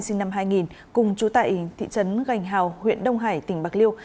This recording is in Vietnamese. sinh năm hai nghìn cùng chú tại thị trấn gành hào huyện đông hải tỉnh bạc liêu